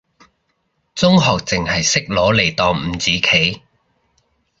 中學淨係識攞嚟當五子棋，